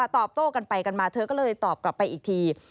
ตอบโต้กันไปกันมาเธอก็เลยตอบกลับไปอีกที